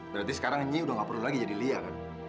berarti sekarang nyi udah gak perlu lagi jadi lia kan